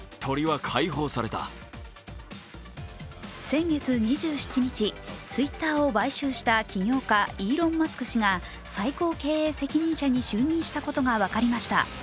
先月２７日、Ｔｗｉｔｔｅｒを買収した起業家、イーロン・マスク氏が最高経営責任者に就任したことが分かりました。